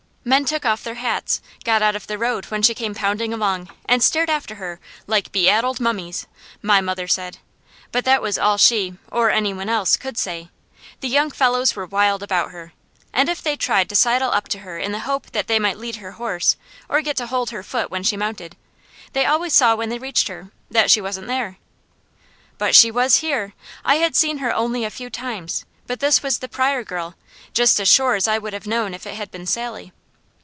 Men took off their hats, got out of the road when she came pounding along, and stared after her like "be addled mummies," my mother said. But that was all she, or any one else, could say. The young fellows were wild about her, and if they tried to sidle up to her in the hope that they might lead her horse or get to hold her foot when she mounted, they always saw when they reached her, that she wasn't there. But she was here! I had seen her only a few times, but this was the Pryor girl, just as sure as I would have known if it had been Sally.